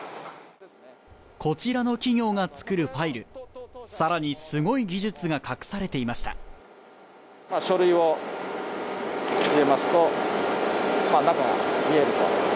こちらの企業が作るファイル、更にすごい技術が隠されていました。